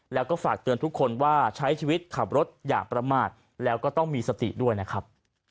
แล้วก็ฝากเตือนทุกคนว่าใช้ชีวิตขับรถอย่างประมาทแล้วก็ต้องมีสติด้วยนะครับ